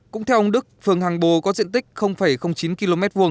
cũng theo ông đức phường hàng bồ có diện tích chín km hai